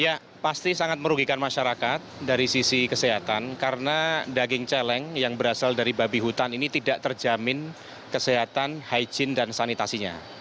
ya pasti sangat merugikan masyarakat dari sisi kesehatan karena daging celeng yang berasal dari babi hutan ini tidak terjamin kesehatan hygiene dan sanitasinya